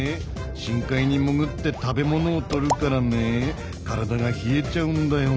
深海に潜って食べ物をとるからね体が冷えちゃうんだよね。